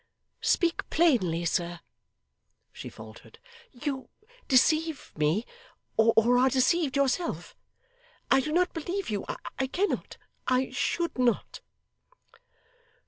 'Speak plainly, sir,' she faltered. 'You deceive me, or are deceived yourself. I do not believe you I cannot I should not.